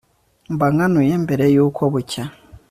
mba nkanuye mbere y'uko bucya